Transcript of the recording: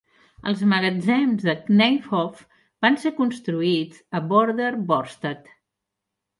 Els magatzems de Kneiphof van ser construïts a Vordere Vorstadt.